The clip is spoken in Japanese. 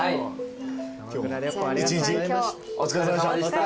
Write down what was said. １日お疲れさまでした。